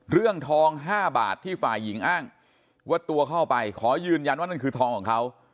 เรื่องทอง๕บาทที่ฝ่ายหญิงอ้างว่าตัวเข้าไปขอยืนยันว่านั่นคือทองของเขา